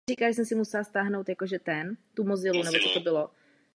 Teče převážně východním směrem přes roviny Durynska.